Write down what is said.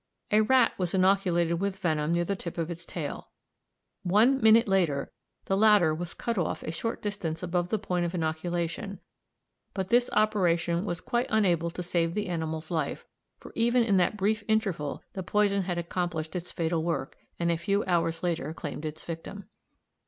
A rat was inoculated with venom near the tip of its tail. One minute later the latter was cut off a short distance above the point of inoculation; but this operation was quite unable to save the animal's life, for even in that brief interval the poison had accomplished its fatal work, and a few hours later claimed its victim.